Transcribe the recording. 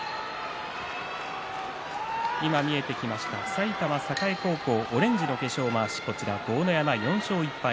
埼玉栄高校オレンジの化粧まわし豪ノ山は４勝１敗。